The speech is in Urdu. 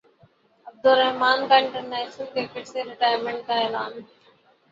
عبدالرحمن کا انٹرنیشنل کرکٹ سے ریٹائرمنٹ کا اعلان